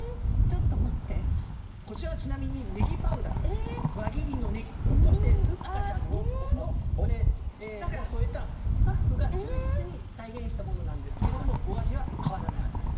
こちら、ちなみにネギパウダー輪切りのネギふっかちゃんの角を添えたスタッフが忠実に再現したものなんですがお味は変わらないはずです。